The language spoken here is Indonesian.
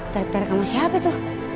tarik tarik kamu siapa tuh